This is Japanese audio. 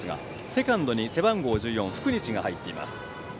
セカンドに背番号１４の福西が入っています。